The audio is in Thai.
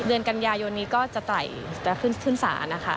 เดือนกันยายนนี้ก็จะไต่จะขึ้นศาลนะคะ